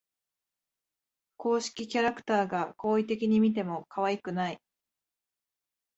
公式キャラクターが好意的に見てもかわいくない